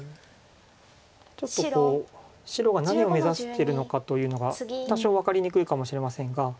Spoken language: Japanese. ちょっと白が何を目指してるのかというのが多少分かりにくいかもしれませんが。